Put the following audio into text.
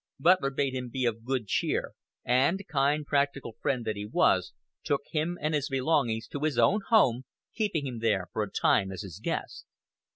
Butler bade him be of good cheer, and, kind practical friend that he was, took him and his belongings to his own home, keeping him there for a time as his guest.